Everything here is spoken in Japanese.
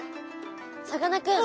さかなクン！